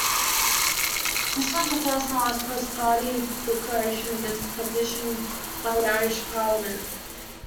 This was the first and last cross-party declaration against partition by the Irish parliament.